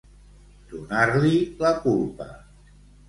Donar-li la culpa.